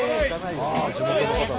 地元の方が。